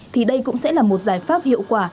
thì đây cũng sẽ là một giải pháp hiệu quả